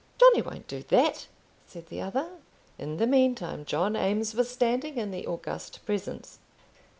"Johnny won't do that," said the other. In the meantime John Eames was standing in the august presence.